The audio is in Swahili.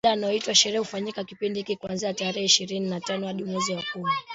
Kila inayoitwa sherehe hufanyika kipindi hiki kuanzia tarehe ishirini na tano mwezi wa kumi